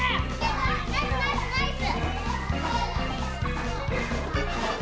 ナイスナイスナイス！